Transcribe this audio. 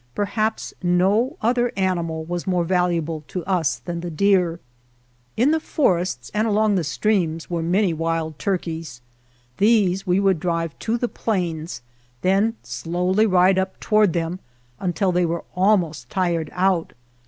Perhaps no other animal was more valuable to us than the deer. In the forests and along the streams were many wild turkeys. These we would drive to the plains, then slowly ride up toward them until they were almost tired out.